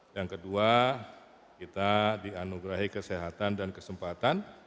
yang kedua kita dianugerahi kesehatan dan kesempatan